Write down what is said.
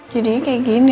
jadinya kayak gini